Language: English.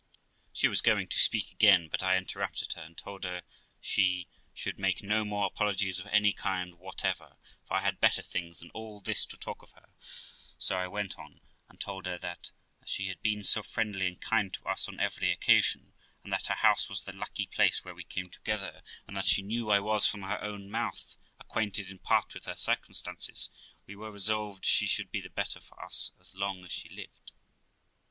She was going to speak again, but I interrupted her, and told her she should make no more apologies of any kind whatever, for I had better things than all this to talk to her of; so I went on, and told her, that, as she had been so friendly and kind to us on every occasion, and that her house was the lucky place where we came together, and that she knew I was, from her own mouth, acquainted in part with her circumstances, we were resolved she should be the better for us as long as she lived.